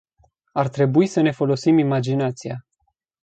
Ar trebui să ne folosim imaginația.